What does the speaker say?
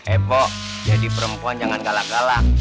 eh pok jadi perempuan jangan galak galak